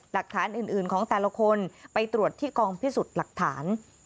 หลักฐานอื่นของแต่ละคนไปตรวจที่กองพิสูจน์หลักฐาน